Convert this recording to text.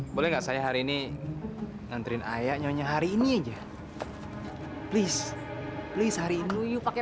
boleh nggak saya hari ini nganterin ayah nyonya hari ini aja please please hari ini yuk pakai